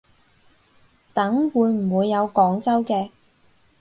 等會唔會有廣州嘅